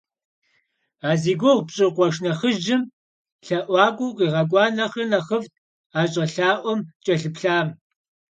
А зи гугъу пщӀы къуэш нэхъыжьым лъэӀуакӀуэ укъигъэкӀуа нэхърэ нэхъыфӀт а щӀэлъаӀуэм кӀэлъыплъам.